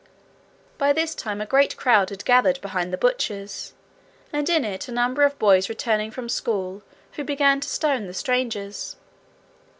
By this time a great crowd had gathered behind the butchers, and in it a number of boys returning from school who began to stone the strangers.